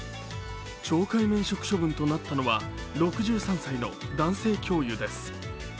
懲戒免職処分となったのは６３歳の男性教諭です。